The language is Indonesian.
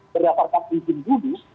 berdasarkan pimpin budi